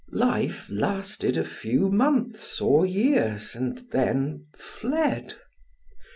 Life lasted a few months or years, and then fled!